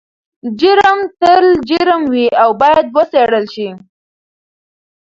جرم تل جرم وي او باید وڅیړل شي.